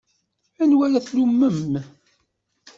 Anwa ara tlummem?